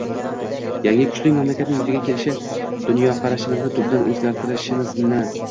Yangi kuchli mamlakatning yuzaga kelishi dunyoqarashimizni tubdan o‘zgartirishimizni